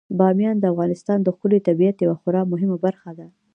بامیان د افغانستان د ښکلي طبیعت یوه خورا مهمه برخه ده.